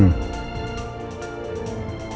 maaf sebentar ya